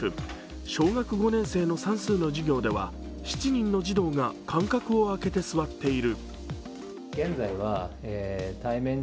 小学５年生の算数の授業では７人の児童が間隔を空けて座っている。